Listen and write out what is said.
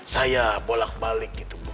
saya bolak balik gitu bu